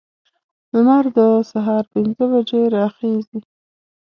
لمر د سهار پنځه بجې راخیزي.